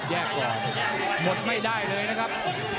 แยกก่อนหมดไม่ได้เลยนะครับ